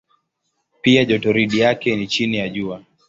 Pia jotoridi yake ni chini ya Jua.